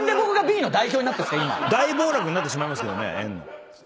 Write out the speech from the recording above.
大暴落になってしまいますけどね円の。